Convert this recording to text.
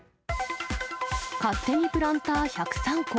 勝手にプランター１０３個。